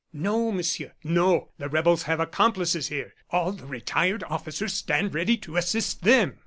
"No, Monsieur, no. The rebels have accomplices here. All the retired officers stand ready to assist them."